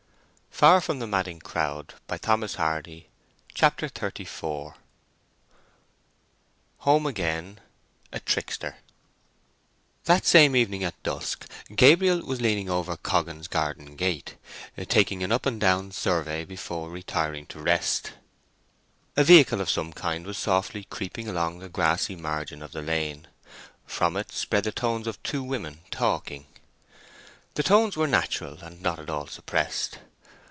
"That's the very thing I say to myself," said Gabriel. CHAPTER XXXIV HOME AGAIN—A TRICKSTER That same evening at dusk Gabriel was leaning over Coggan's garden gate, taking an up and down survey before retiring to rest. A vehicle of some kind was softly creeping along the grassy margin of the lane. From it spread the tones of two women talking. The tones were natural and not at all suppressed.